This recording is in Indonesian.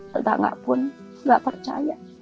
tetangga pun tidak percaya